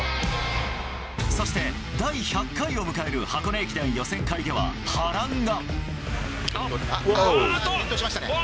そして、第１００回を迎える箱根駅伝予選会では、波乱が。